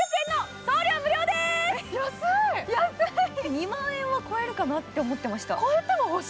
２万円は超えるかなと思いました